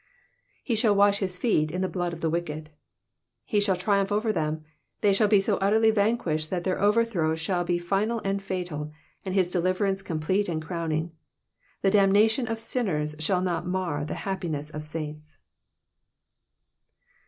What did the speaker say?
^^He shtul wash his feet in the Uood of the wicked,'' He shall triumph over them, they shall be so utterly vanquished that their over throw shall bs final and fatal, and his deliverance complete and crowning. The damnation of sinners shall not mar the happiness of saints.